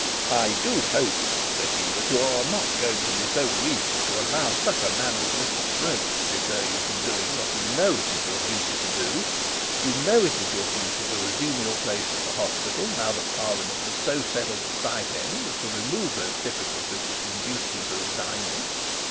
'I do hope,' said he, 'that you are not going to be so weak as to allow such a man as Mr Slope to deter you from doing what you know is your duty to do. You know that it is your duty to resume your place at the hospital now that parliament has so settled the stipend as to remove those difficulties which induced you to resign it.